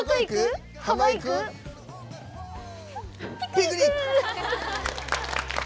ピクニック！